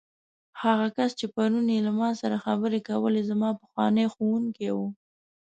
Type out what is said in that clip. هغه کس چې پرون یې له ما سره خبرې کولې، زما پخوانی ښوونکی و.